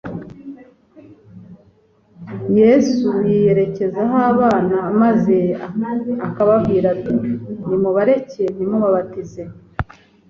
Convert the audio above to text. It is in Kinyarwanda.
Yesu yireherezaho abana maze akambwira ati: "nimubareke ntimubabatize."